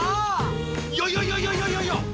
いやいやいやいやいやいやいや！